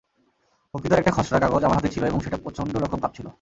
বক্তৃতার একটা খসড়া কাগজ আমার হাতে ছিল এবং সেটা প্রচণ্ড রকম কাঁপছিল।